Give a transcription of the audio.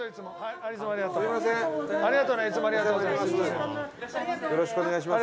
ありがとうございます。